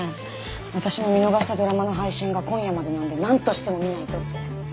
私も見逃したドラマの配信が今夜までなんでなんとしても見ないとって。